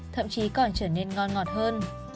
thậm chí còn trở nên ngon ngọt hơn